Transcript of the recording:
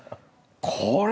これ！